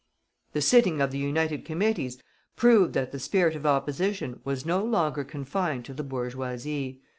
The sitting of the united Committees proved that the spirit of opposition was no longer confined to the bourgeoisie.